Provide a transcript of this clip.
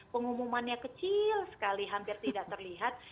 pengumumannya kecil sekali hampir tidak terlihat